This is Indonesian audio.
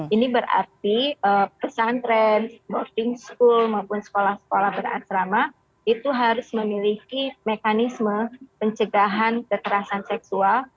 ini berarti pesantren boarding school maupun sekolah sekolah berasrama itu harus memiliki mekanisme pencegahan kekerasan seksual